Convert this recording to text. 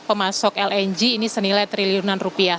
pemasok lng ini senilai triliunan rupiah